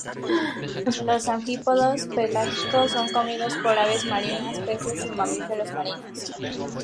Los anfípodos pelágicos son comidos por aves marinas, peces, y mamíferos marinos.